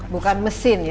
bukan mesin ya